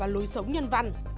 đối sống nhân văn